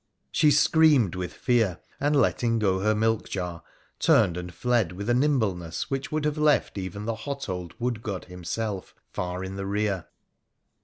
She screamed with fear, and, letting go her milk jar, turned and fled with a nimbleness which would have left even the hot old wood god himself far in the rear.